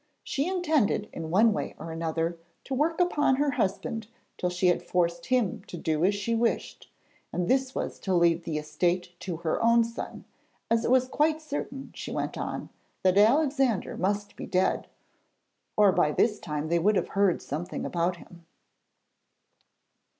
She intended in one way or another to work upon her husband till she had forced him to do as she wished, and this was to leave the estate to her own son, 'as it was quite certain,' she went on, 'that Alexander must be dead, or by this time they would have heard something about him.'